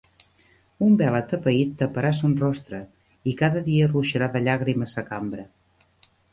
Un vel atapeït taparà son rostre, i cada dia ruixarà de llàgrimes sa cambra.